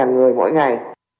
hai người mỗi ngày